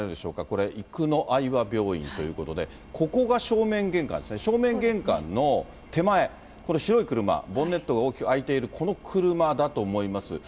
これ、生野愛和病院ということで、ここが正面玄関ですね、正面玄関の手前、この白い車、ボンネットが大きく開いている、この車だと思います。